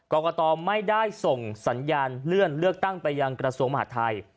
กรกตไม่ได้ส่งสัญญาณเลื่อนเลือกตั้งไปยังกระทรวงมหาดไทย